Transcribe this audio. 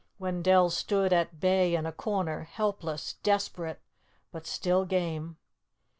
Wendell stood at bay in a corner, helpless, desperate, but still game.